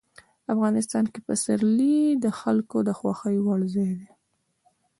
افغانستان کې پسرلی د خلکو د خوښې وړ ځای دی.